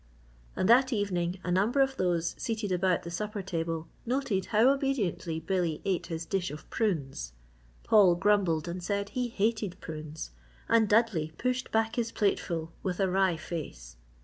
And that evening a number of those seated about the supper table noted how obediently Billy ate his dish of prunes. Paul grumbled and said he hated prunes and Dudley pushed back his plate full with a wry face.